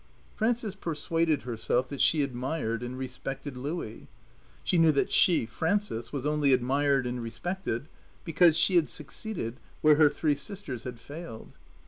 Frances persuaded herself that she admired and respected Louie. She knew that she, Frances, was only admired and respected because she had succeeded where her three sisters had failed.